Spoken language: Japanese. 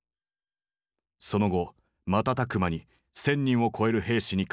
その後瞬く間に１，０００人を超える兵士に感染。